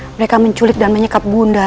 mereka menculik dan menyekap bunda